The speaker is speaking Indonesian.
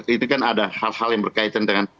itu kan ada hal hal yang berkaitan dengan